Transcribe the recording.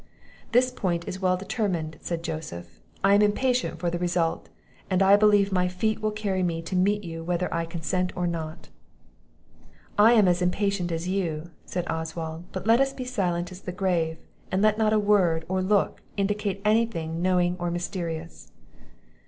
"This point is well determined," said Joseph; "I am impatient for the result; and I believe my feet will carry me to meet you whether I consent or not." "I am as impatient as you," said Oswald; "but let us be silent as the grave, and let not a word or look indicate any thing knowing or mysterious."